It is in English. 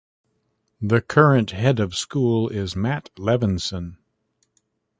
The current head of school is Matt Levinson.